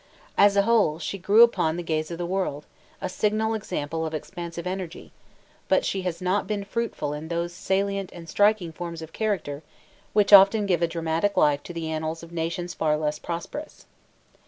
As a whole, she grew upon the gaze of the world, a signal example of expansive energy; but she has not been fruitful in those salient and striking forms of character which often give a dramatic life to the annals of nations far less prosperous.